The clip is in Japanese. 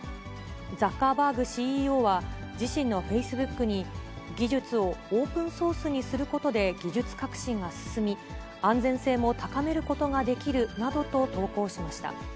ザッカーバーグＣＥＯは、自身のフェイスブックに技術をオープンソースにすることで技術革新が進み、安全性も高めることができるなどと投稿しました。